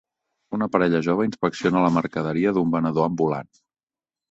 Una parella jove inspecciona la mercaderia d'un venedor ambulant.